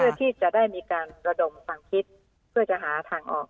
เพื่อที่จะได้มีการระดมความคิดเพื่อจะหาทางออก